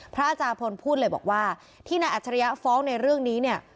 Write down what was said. พระอาจารย์พลพูดเลยบอกว่าที่นายอัจฉริยะฟ้องในเรื่องนี้เนี่ย